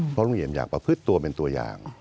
เพราะลุงเอี่ยมอยากประพฤติตัวเป็นตัวอย่าง